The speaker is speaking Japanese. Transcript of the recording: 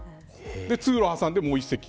通路を挟んで、もう１席。